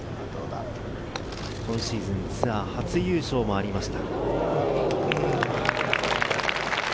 今シーズン、ツアー初優勝もありました。